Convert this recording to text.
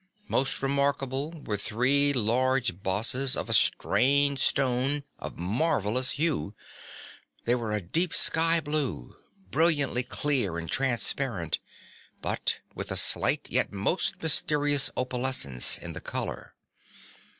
Most remarkable were three large bosses of a strange stone of marvellous hue; they were a deep sky blue, brilliantly clear and transparent, but with a slight yet most mysterious opalescence in the colour.